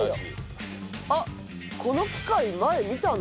あっこの機械前見たな。